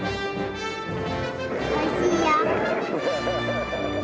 おいしいよ。